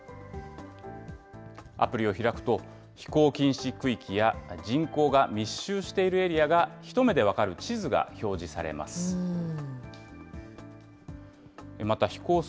アプリを開くと、飛行禁止区域や人口が密集しているエリアが一目で分かる地図が表示されます。